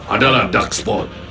adalah dark spot